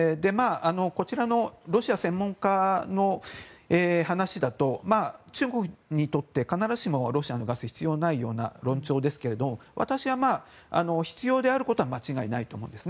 こちらのロシア専門家の話だと中国にとって必ずしもロシアのガスは必要ないような論調ですけど私は必要であることは間違いないと思います。